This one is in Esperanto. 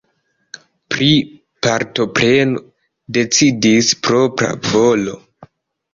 Pri partopreno decidis propra volo.